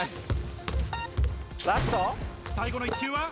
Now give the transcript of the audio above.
最後の一球は？